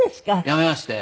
辞めまして。